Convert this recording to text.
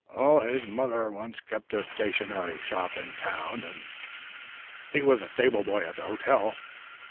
"His mother once kept a stationery shop in town, and he was stable boy at the hotel.